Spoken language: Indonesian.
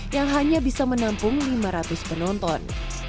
yang hanya bisa menampung lima ratus penonton